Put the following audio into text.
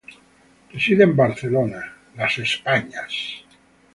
Reside en Barcelona, España.